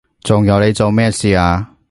仲有你做咩事啊？